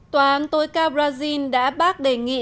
tòa án tối cao brazil đã bác đề nghị